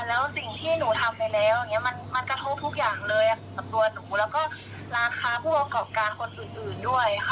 แล้วสิ่งที่หนูทำไปแล้วมันกระโทกทุกอย่างเลย